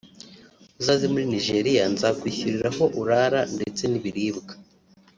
Uzaze muri Nigeria nzakwishyurira aho urara ndetse n'ibiribwa